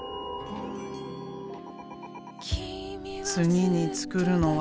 次に作るのは。